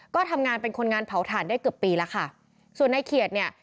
ก็ทำงานเป็นคนงานเผาถ่านได้เกือบปีแล้วค่ะส่วนในเขียดเนี่ย